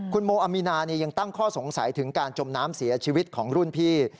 คุณโมอามีนายังตั้งข้อสงสัยถึงการจมน้ำเสียชีวิตของรุ่นพี่